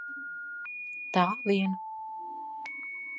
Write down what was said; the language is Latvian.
T? vien